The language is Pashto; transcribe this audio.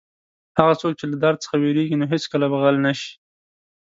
هغه څوک چې له دار څخه وېرېږي نو هېڅکله به غل نه شي.